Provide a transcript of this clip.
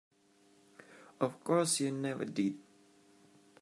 Of course you never did.